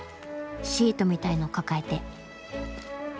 シートみたいの抱えて。